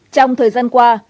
trong thời gian qua